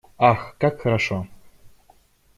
Ах, как хорошо!